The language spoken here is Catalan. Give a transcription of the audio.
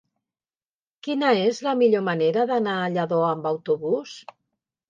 Quina és la millor manera d'anar a Lladó amb autobús?